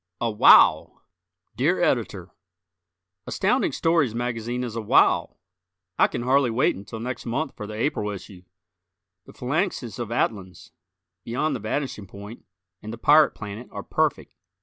C. "A Wow!" Dear Editor: Astounding Stories magazine is a wow! I can hardly wait until next month for the April issue. "The Phalanxes of Atlans," "Beyond the Vanishing Point" and "The Pirate Planet" are perfect.